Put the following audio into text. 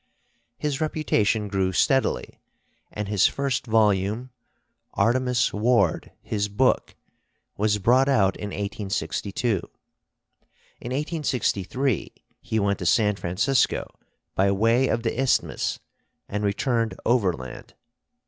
His reputation grew steadily, and his first volume, 'Artemus Ward, His Book,' was brought out in 1862. In 1863 he went to San Francisco by way of the Isthmus and returned overland.